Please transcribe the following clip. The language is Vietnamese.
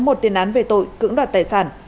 đỗ quốc đạt đã có một tiền án về tội cưỡng đoạt tài sản